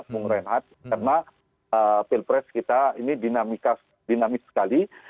karena pilpres kita ini dinamik sekali